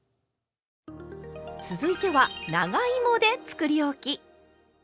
続いては長芋でつくりおき。